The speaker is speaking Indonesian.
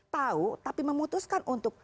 tahu tapi memutuskan untuk